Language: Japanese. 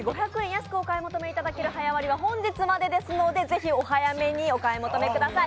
安くお買い求めできる早割りは本日までですので、ぜひお早めにお買い求めください。